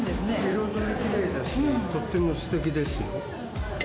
彩りもきれいだし、とってもすてきですよ。